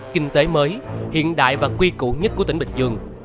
kinh tế mới hiện đại và quy cụ nhất của tỉnh bình dương